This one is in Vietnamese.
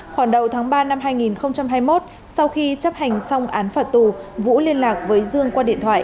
khoảng đầu tháng ba năm hai nghìn hai mươi một sau khi chấp hành xong án phạt tù vũ liên lạc với dương qua điện thoại